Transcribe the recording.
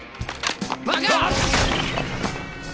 バカ！